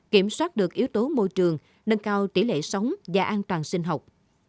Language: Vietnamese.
kiểm soát được yếu tố môi trường nâng cao tỷ lệ sống và an toàn sinh học